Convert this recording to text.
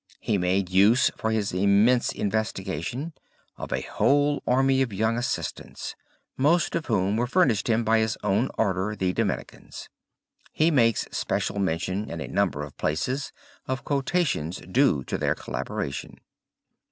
He made use for his immense investigation of a whole army of young assistants, most of whom were furnished him by his own order, the Dominicans. He makes special mention in a number of places of quotations due to their collaboration.